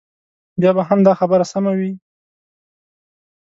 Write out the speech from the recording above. بیا به هم دا خبره سمه وي.